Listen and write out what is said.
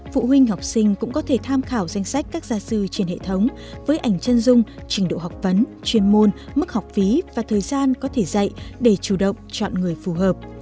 phụ huynh học sinh cũng có thể tham khảo danh sách các gia sư trên hệ thống với ảnh chân dung trình độ học vấn chuyên môn mức học phí và thời gian có thể dạy để chủ động chọn người phù hợp